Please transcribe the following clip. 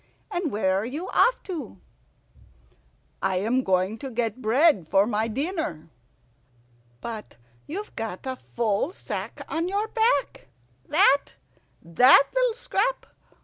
"And where are you off to?" "I am going to get bread for my dinner." "But you've got a full sack on your back." "That that little scrap!